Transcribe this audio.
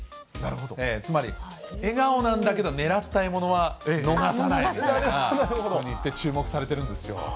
つまり笑顔なんだけど、狙った獲物は逃さないといった意味で、注目されているんですよ。